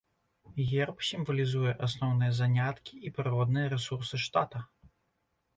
Герб сімвалізуе асноўныя заняткі і прыродныя рэсурсы штата.